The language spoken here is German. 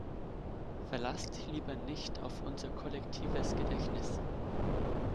Verlass dich lieber nicht auf unser kollektives Gedächtnis!